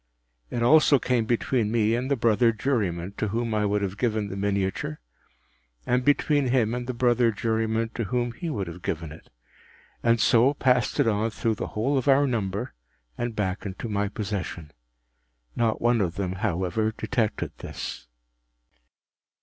” It also came between me and the brother juryman to whom I would have given the miniature, and between him and the brother juryman to whom he would have given it, and so passed it on through the whole of our number, and back into my possession. Not one of them, however, detected this.